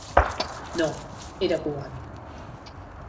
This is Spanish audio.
no, era cubano.